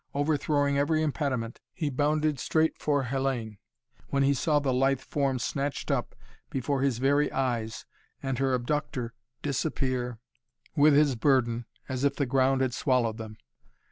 Overthrowing every impediment, he bounded straight for Hellayne, when he saw the lithe form snatched up before his very eyes and her abductor disappear with his burden, as if the ground had swallowed them.